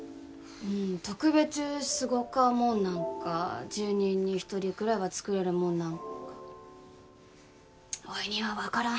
うーん特別すごかもんなんか１０人に１人くらいは作れるもんなんかおいには分からん